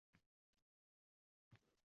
bunga sabab Odilaning ko'zlari boshqacharoq